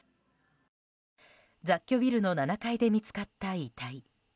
雑居ビルの７階で見つかった遺体。